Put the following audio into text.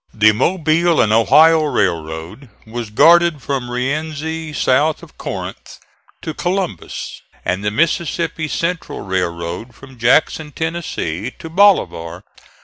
The Mobile and Ohio railroad was guarded from Rienzi, south of Corinth, to Columbus; and the Mississippi Central railroad from Jackson, Tennessee, to Bolivar.